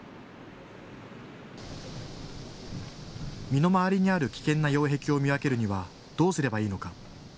身の回りにある危険な擁壁を見分けるにはどうすればいいのか。